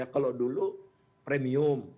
kalau dulu premium